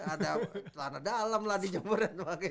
ada celana dalam lah di jomboran